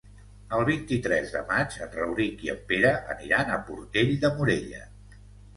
El vint-i-tres de maig en Rauric i en Pere aniran a Portell de Morella.